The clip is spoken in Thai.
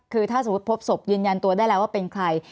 คือถ้าสมมุติพบศพยืนยันตัวได้แล้วว่าเป็นใคร